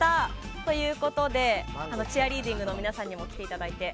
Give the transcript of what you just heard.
ということでチアリーディングの皆さんにも来ていただいて。